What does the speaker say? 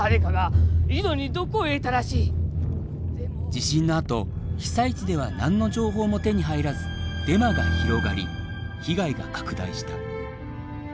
地震のあと被災地では何の情報も手に入らずデマが広がり被害が拡大した。